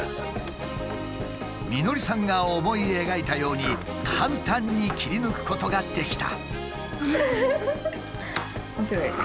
美典さんが思い描いたように簡単に切り抜くことができた。